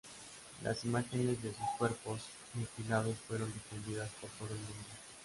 Las imágenes de sus cuerpos mutilados fueron difundidas por todo el mundo.